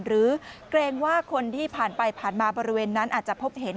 เกรงว่าคนที่ผ่านไปผ่านมาบริเวณนั้นอาจจะพบเห็น